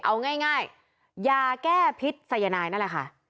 เอาง่ายยาแก้พิษสายนายนั่นแหละค่ะ